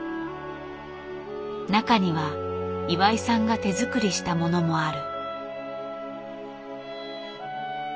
中には岩井さんが手作りしたものもある。